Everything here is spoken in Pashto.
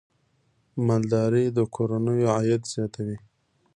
مالداري د کورنیو عاید زیاتوي.